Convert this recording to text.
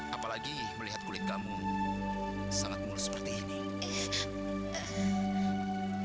apalagi melihat kulit kamu sangat murah seperti ini